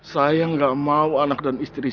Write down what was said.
saya gak mau anak dan istri